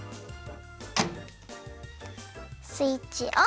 スイッチオン！